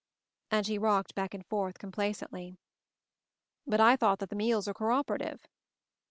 And she rocked back and forth, complacently. "But I thought that the meals were co operative."